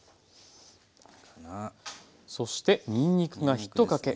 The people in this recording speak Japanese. そしてにんにくが１かけ。